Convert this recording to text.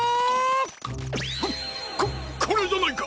ハッここれじゃないか！？